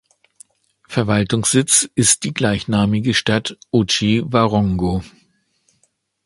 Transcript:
Verwaltungssitz ist die gleichnamige Stadt Otjiwarongo.